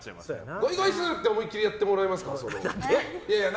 ゴイゴイスーって思いっきりやってもらえますか？